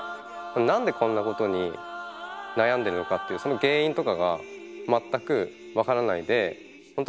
何でこんなことに悩んでるのかっていうその原因とかが全く分からないで本当